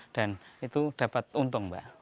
dan itu dapat untung pak